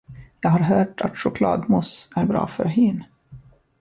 Jag har hört att chokladmousse är bra för hyn.